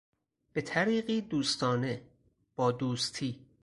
به طریقی دوستانه، بادوستی